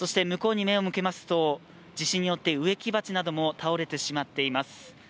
向こうに目を向けますと地震によって植木鉢なども倒れてしまっています。